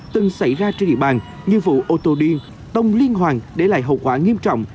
từng xảy ra trên địa bàn như vụ ô tô đi tông liên hoàn để lại hậu quả nghiêm trọng